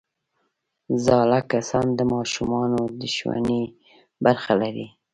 زاړه کسان د ماشومانو د ښوونې برخه لري